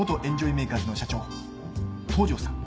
メーカーズの社長東城さん。